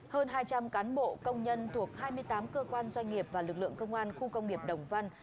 hơn hai trăm linh cán bộ công nhân thuộc hai mươi tám cơ quan doanh nghiệp và lực lượng công an khu công nghiệp đồng văn